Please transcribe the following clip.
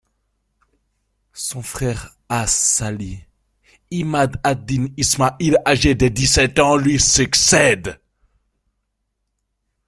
Son frère As-Sâlih `Imâd ad-Dîn Ismâ`îl âgé de dix-sept ans lui succède.